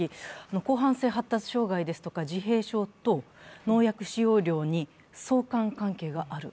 広汎性発達障害とか自閉症と農薬使用量に相関関係がある。